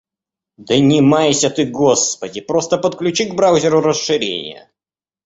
Да не майся ты, господи. Просто подключи к браузеру расширения.